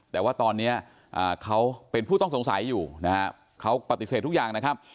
แต่ว่าตอนนี้เขาเป็นผู้ต้องสงสัยอยู่นะฮะเขาปฏิเสธทุกอย่างนะครับ